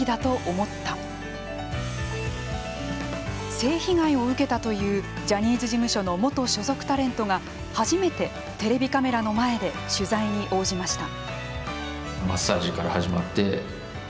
性被害を受けたというジャニーズ事務所の元所属タレントが初めてテレビカメラの前で取材に応じました。